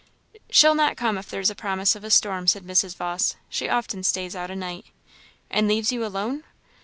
"She'll not come if there's a promise of a storm," said Mrs. Vawse; "she often stays out a night." "And leaves you alone!"